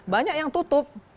banyak yang tutup